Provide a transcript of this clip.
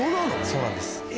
そうなんです。